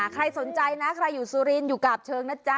ใครสนใจนะใครอยู่สุรินอยู่กาบเชิงนะจ๊ะ